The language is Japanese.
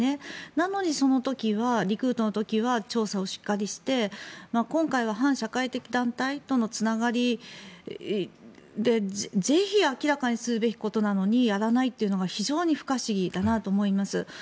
なのにリクルートの時は調査をしっかりして今回は反社会的団体とのつながりでぜひ明らかにすべきことなのにやらないというのが非常に不可思議だなと思います。